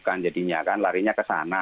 kan jadinya kan larinya ke sana